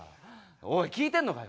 おい聞いてんのかよ！